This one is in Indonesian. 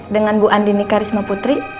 dengan bu andini karisma putri